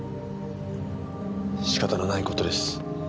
仕方のない事です。